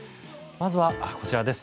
まずはこちらです。